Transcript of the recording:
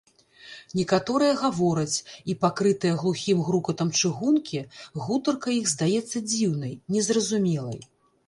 Некаторыя гавораць, і, пакрытая глухім грукатам чыгункі, гутарка іх здаецца дзіўнай, незразумелай.